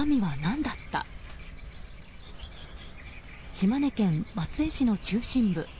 島根県松江市の中心部。